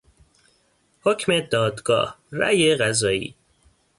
حکم دادگاه، رای قضایی